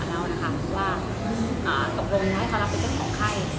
เพราะว่ากระบวงให้เค้ารับเป็นเจ้าของไข้